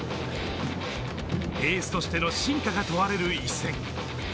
エースとしての真価が問われる一戦。